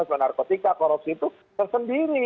soal narkotika korupsi itu tersendiri